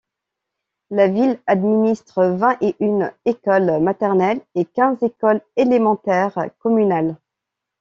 La ville administre vingt et une écoles maternelles et quinze écoles élémentaires communales.